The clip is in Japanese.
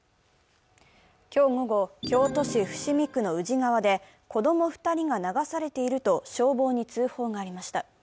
今日午後、京都市伏見区の宇治川で子供２人が流されていると消防に通報がありました。